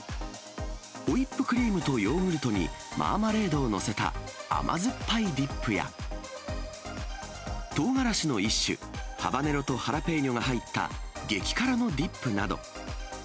ホイップクリームとヨーグルトにマーマレードを載せた甘酸っぱいディップや、とうがらしの一種、ハバネロとハラペーニョが入った激辛のディップなど。